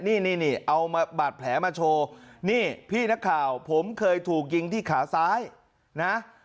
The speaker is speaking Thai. นี่นี่เอาบาดแผลมาโชว์นี่พี่นักข่าวผมเคยถูกยิงที่ขาซ้ายนะ